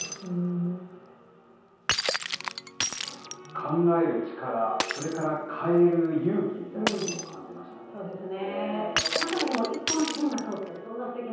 考える力、それから、変える勇気みたいなものを感じましたね。